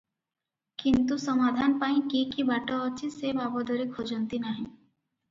କିନ୍ତୁ ସମାଧାନ ପାଇଁ କି କି ବାଟ ଅଛି ସେ ବାବଦରେ ଖୋଜନ୍ତି ନାହିଁ ।